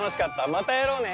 またやろうね！